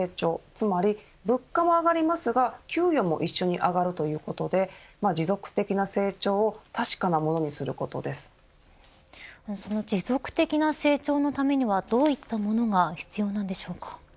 つまり物価が上がりますが給与も一緒に上がるということで持続的な成長をその持続的な成長のためにはどういったものが必要なんでしょうか。